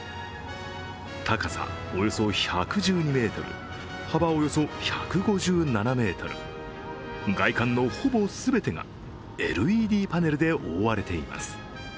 高さおよそ１１２ｍ、幅およそ１５７ｍ、外観のほぼ全てがＬＥＤパネルで覆われています。